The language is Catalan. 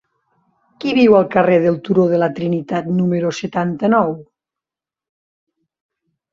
Qui viu al carrer del Turó de la Trinitat número setanta-nou?